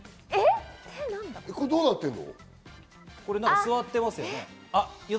座ってますよね。